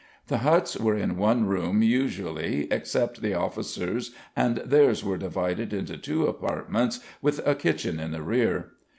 The huts were in one room usually, except the officers and theirs were divided into two apartments with a kitchen in the rear.